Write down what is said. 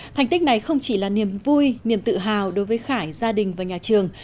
thành tích này không chỉ là niềm vui niềm tự hào đối với khải gia đình và nhà trường